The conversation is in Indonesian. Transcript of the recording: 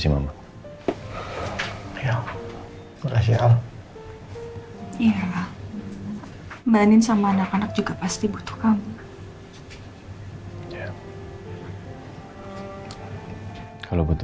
kita nanti tinggal telpon ya